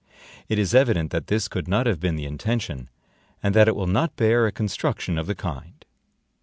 It is evident that this could not have been the intention, and that it will not bear a construction of the kind.